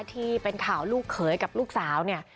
ที่เป็นข่าวลูกเขยกับลูกสาวเนี่ย